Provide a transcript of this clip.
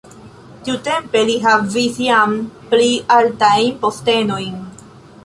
Tiutempe li havis jam pli altajn postenojn.